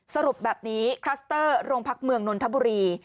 สรุปแบบนี้คลัสเตอร์โรงพักเมืองนนทบุรี